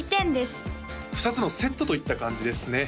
２つのセットといった感じですね